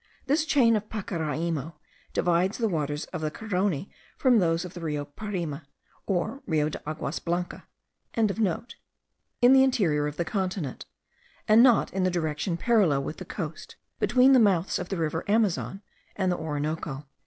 This chain of Pacaraimo divides the waters of the Carony from those of the Rio Parime, or Rio de Aguas Blancas.) in the interior of the continent, and not in a direction parallel with the coast, between the mouths of the river Amazon and the Orinoco.